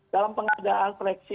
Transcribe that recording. dalam pengadaan koleksi